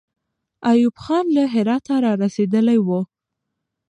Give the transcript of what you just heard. ایوب خان له هراته را رسېدلی وو.